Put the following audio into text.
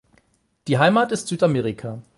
Die Heimat ist Südamerika.